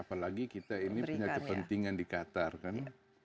apalagi kita ini punya kepentingan di qatar kan